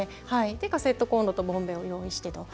カセットコンロとボンベを用意して。